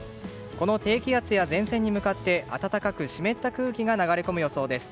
この低気圧や前線に向かって暖かく湿った空気が流れ込む予想です。